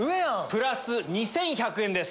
プラス２１００円です。